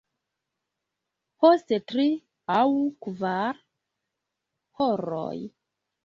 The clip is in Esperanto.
Post tri aŭ kvar horoj.